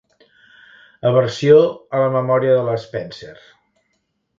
Aversió a la memòria de la Spencer.